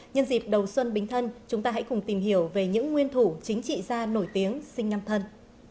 nhân dịp đầu xuân bình thân chúng ta hãy cùng tìm hiểu về những nguyên thủ chính trị gia nổi tiếng sinh năm thân